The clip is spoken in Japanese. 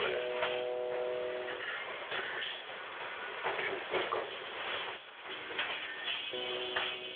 テンポか。